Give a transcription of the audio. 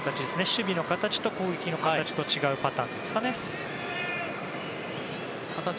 守備の形と攻撃の形と違うパターンですかね。